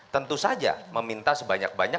tentu saja meminta sebanyak banyak